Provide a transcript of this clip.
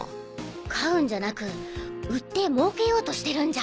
飼うんじゃなく売って儲けようとしてるんじゃ？